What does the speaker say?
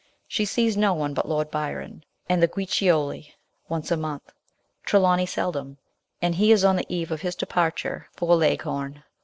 She sees no one but Lord Byron and the Guiccioli once a month, Trelawny seldom, and he is on the eve of his departure for Leghorn.